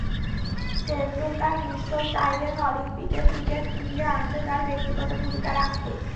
টেন্ডুলকার নিশ্চয়ই চাইবেন অলিম্পিকে ক্রিকেট ফিরিয়ে আনতে তাঁর ব্যক্তিগত ভূমিকা রাখতে।